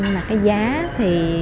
nhưng mà cái giá thì